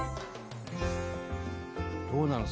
どうなの？